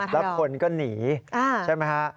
แล้วคนก็หนีใช่ไหมฮะ